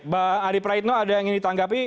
mbak adi praetno ada yang ingin ditanggapi